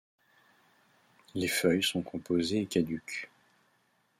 Les feuilles sont composées et caduques.